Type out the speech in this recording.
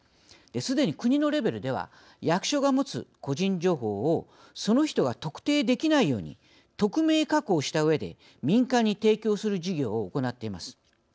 すでに国のレベルでは役所が持つ個人情報をその人が特定できないように匿名加工したうえで民間に提供する事業を行っています。